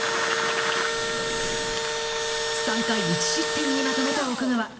３回、１失点にまとめた奥川。